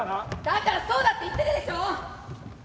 だからそうだって言ってるでしょ！